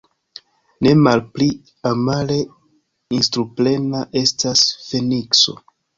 Nemalpli amare instruplena estas Fenikso.